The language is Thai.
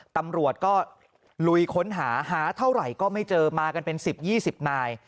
ตำรวจก็ลุยค้นหาหาเท่าไหร่ก็ไม่เจอมากันเป็น๑๐๒๐นาย